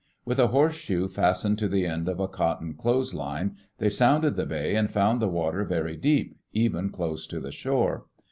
With a horseshoe fastened to the end of ^ cotton clothes line, they sounded the bay and found the water very deep, even close to the shore.